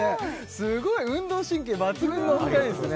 すごい運動神経抜群のお二人ですね